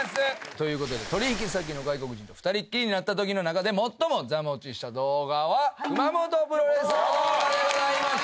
ということで取引先の外国人と２人きりになった時の中で最も座持ちした動画は熊元プロレスの動画でございました。